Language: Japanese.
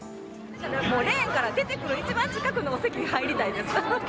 レーンから出てくる一番近くのお席に入りたいです。